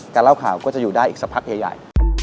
การเล่าข่าก็จะอยู่ได้อีกสักพักเยี่ยมใหญ่